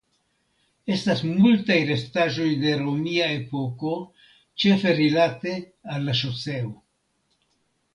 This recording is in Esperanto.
Estas multaj restaĵoj de romia epoko ĉefe rilate al la ŝoseo.